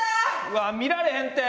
うわっ見られへんて。